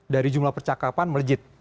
dari jumlah percakapan melejit